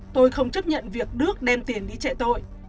tôi không chấp nhận việc đước đem tiền đi chạy tội